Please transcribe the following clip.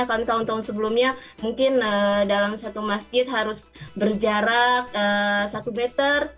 karena tahun tahun sebelumnya mungkin dalam satu masjid harus berjarak satu meter